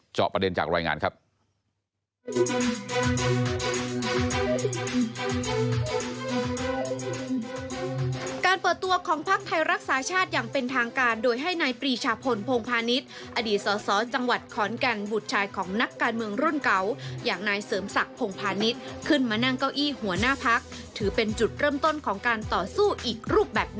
จอบประเด็นจากรายงานครับ